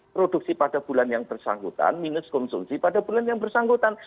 produksi pada bulan yang bersangkutan minus konsumsi pada bulan yang bersangkutan